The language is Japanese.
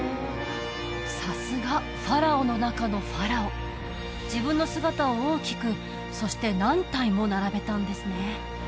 さすがファラオの中のファラオ自分の姿を大きくそして何体も並べたんですね